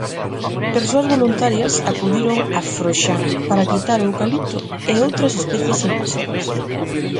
Persoas voluntarias acudiron a Froxán para quitar o eucalipto e outras especies invasoras.